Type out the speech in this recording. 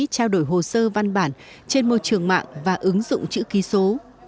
trao đổi hồ sơ văn bản trên môi trường mạng và ứng dụng chữ ký số